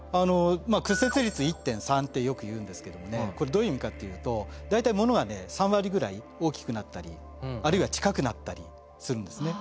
まあ屈折率１．３ってよく言うんですけどもねこれどういう意味かっていうと大体物はね３割ぐらい大きくなったりあるいは近くなったりするんですね。